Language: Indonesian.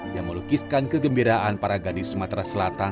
yang melukiskan kegembiraan para gadis sumatera selatan